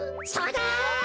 そうだ！